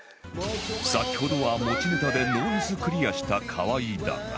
先ほどは持ちネタでノーミスクリアした河合だが